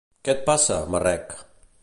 Què et passa, marrec.